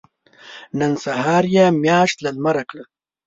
نن سهار يې مياشت له لمره کړه.